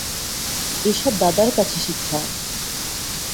এ-সব দাদার কাছে শিক্ষা।